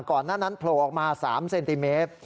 ก่อนหน้านั้นโผล่ออกมา๓เซนติเมตร